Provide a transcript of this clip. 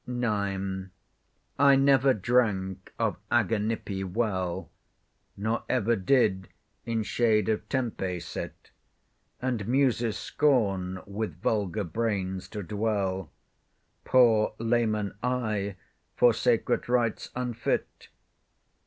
IX I never drank of Aganippe well, Nor ever did in shade of Tempe sit, And Muses scorn with vulgar brains to dwell; Poor lay man I, for sacred rites unfit.